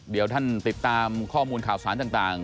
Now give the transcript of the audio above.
เดี๋ยวท่านติดตามข้อมูลข่าวสารต่าง